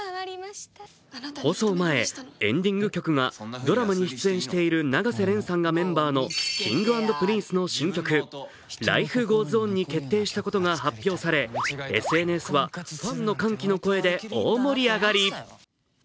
放送前、エンディング曲がドラマに出演している永瀬廉さんがメンバーのＫｉｎｇ＆Ｐｒｉｎｃｅの新曲「Ｌｉｆｅｇｏｅｓｏｎ」に決定したことが発表されＳＮＳはファンの歓喜の声で大盛り上がり。